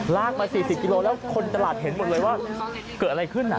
ลากมา๔๐กิโลแล้วคนตลาดเห็นหมดเลยว่าเกิดอะไรขึ้น